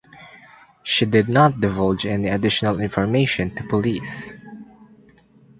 She did not divulge any additional information to police.